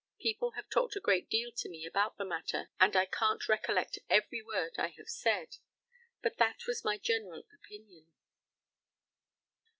People have talked a great deal to me about the matter, and I can't recollect every word I have said, but that was my general opinion.